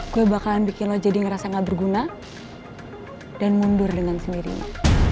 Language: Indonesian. gue bakalan bikin lo jadi ngerasa gak berguna dan mundur dengan sendirinya